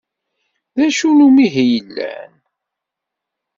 D acu n umihi yellan?